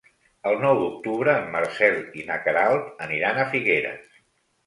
El nou d'octubre en Marcel i na Queralt aniran a Figueres.